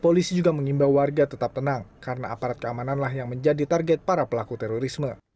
polisi juga mengimbau warga tetap tenang karena aparat keamananlah yang menjadi target para pelaku terorisme